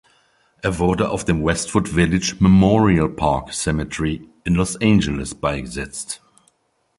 Er wurde auf dem Westwood Village Memorial Park Cemetery in Los Angeles beigesetzt.